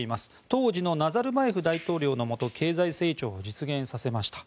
当時のナザルバエフ大統領のもと経済成長を実現させました。